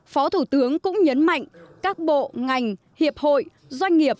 phó thủ tướng cũng nhấn mạnh các bộ ngành hiệp hội doanh nghiệp